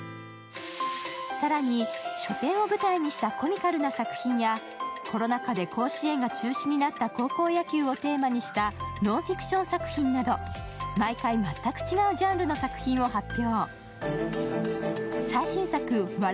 更に書店を舞台にしたコミカルな作品やコロナ禍で甲子園が中止になった高校野球をテーマにしたノンフィクション作品など毎回全く違うジャンルの作品を発表。